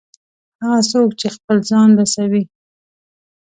هغه څوک چې خپل ځان رسوي.